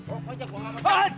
koknya gue ngambek